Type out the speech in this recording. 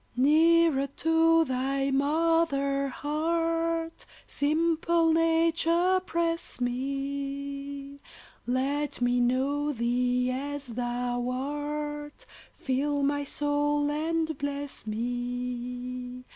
Nearer to thy mother heart, Simple Nature, press me, Let me know thee as thou art, Fill my soul and bless me!